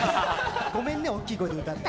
ごめんね、大きい声で歌って。